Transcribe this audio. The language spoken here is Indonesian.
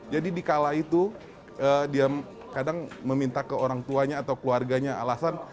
jadi di kala itu dia kadang meminta ke orang tuanya atau keluarganya alasan